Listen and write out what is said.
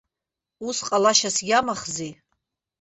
Ус ҟалашьас иамахзи.